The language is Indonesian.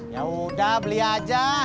yaudah beli aja